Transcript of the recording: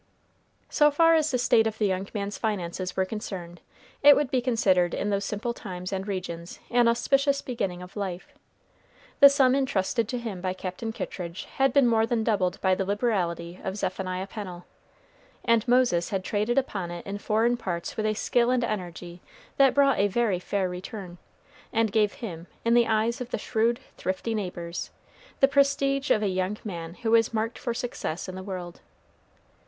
So far as the state of the young man's finances were concerned, it would be considered in those simple times and regions an auspicious beginning of life. The sum intrusted to him by Captain Kittridge had been more than doubled by the liberality of Zephaniah Pennel, and Moses had traded upon it in foreign parts with a skill and energy that brought a very fair return, and gave him, in the eyes of the shrewd, thrifty neighbors, the prestige of a young man who was marked for success in the world.